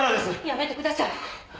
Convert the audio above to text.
やめてください。